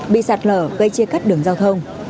bị sạt lở gây chia cắt đường giao thông